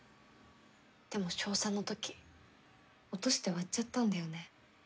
でも小３のとき落として割っちゃったんだよね。